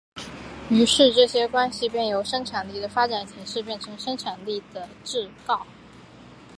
于是这些关系便由生产力的发展形式变成生产力的桎梏。